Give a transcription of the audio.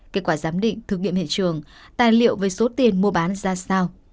kết quả giám định thử nghiệm hiện trường tài liệu với số tiền mua bán ra sao